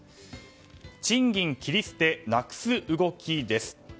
賃金切り捨てなくす動きです。